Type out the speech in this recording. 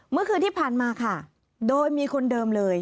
เมื่อคืนที่ผ่านมาค่ะโดยมีคนเดิมเลย